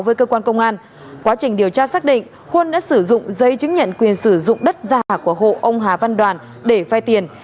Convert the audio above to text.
với cơ quan công an quá trình điều tra xác định huân đã sử dụng giấy chứng nhận quyền sử dụng đất giả của hộ ông hà văn đoàn để phai tiền